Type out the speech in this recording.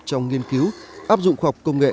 trong nghiên cứu áp dụng khoa học công nghệ